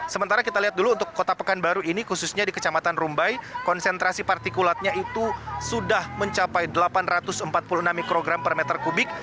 sementara kita lihat dulu untuk kota pekanbaru ini khususnya di kecamatan rumbai konsentrasi partikulatnya itu sudah mencapai delapan ratus empat puluh enam mikrogram per meter kubik